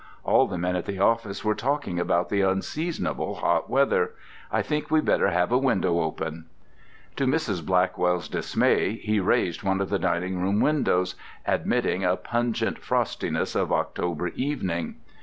"All the men at the office were talking about the unseasonable hot weather. I think we'd better have a window open." To Mrs. Blackwell's dismay, he raised one of the dining room windows, admitting a pungent frostiness of October evening.